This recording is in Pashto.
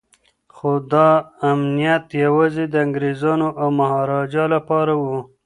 خو دا امنیت یوازې د انګریزانو او مهاراجا لپاره و.